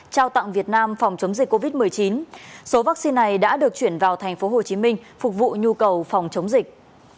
trao tặng việt nam phòng chống dịch covid một mươi chín số vaccine này đã được chuyển vào thành phố hồ chí minh phục vụ nhu cầu phòng chống dịch